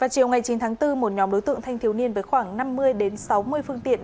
chiều ngày chín tháng bốn một nhóm đối tượng thanh thiếu niên với khoảng năm mươi sáu mươi phương tiện